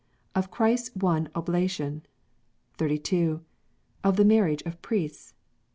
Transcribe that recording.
Of Christ s one Oblation. 32. Of the Marriage of Priests.